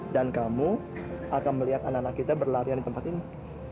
dan kamu akan melihat anak anak kita berlarian di tempat ini